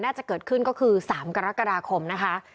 น่าจะเกิดขึ้นก็คือ๓กรกฎาคมนะคะ